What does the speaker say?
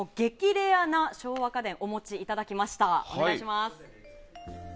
レアな昭和家電をお持ちいただきました。